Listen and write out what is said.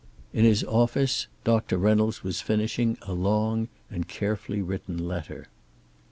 In the office Doctor Reynolds was finishing a long and carefully written letter.